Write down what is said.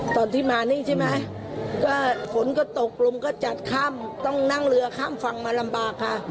ตอนที่มานี่ใช่ไหมก็ฝนก็ตกลมก็จัดข้ามต้องนั่งเรือข้ามฝั่งมาลำบากค่ะ